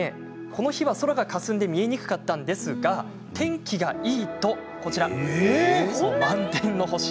この日は空がかすんで見えにくかったんですが天気がいいと満点の星。